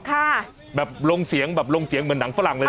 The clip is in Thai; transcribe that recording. ค่ะแบบลงเสียงแบบลงเสียงเหมือนหนังฝรั่งเลย